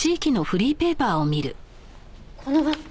このバッグ。